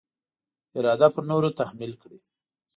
اراده پر نورو تحمیل کړي.